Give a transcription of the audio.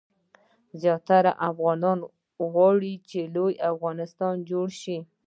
زیاتره افغانان غواړي چې لوی افغانستان جوړ شي.